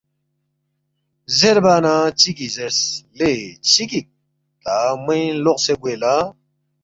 زیربا نہ چِگی زیرس، ”لے چِہ گِک تا مو ینگ لوقسے گوے لا